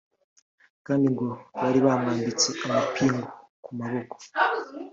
kandi ngo bari bamwambitse amapingu ku maboko